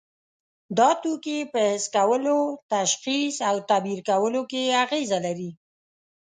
دا توکي په حس کولو، تشخیص او تعبیر کولو کې اغیزه لري.